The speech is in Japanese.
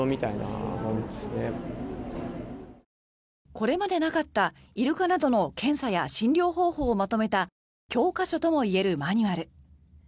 これまでなかったイルカなどの検査や診療方法をまとめた教科書ともいえるマニュアル。